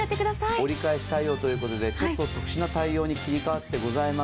折り返し対応ということで特殊な対応に切り替わっておりま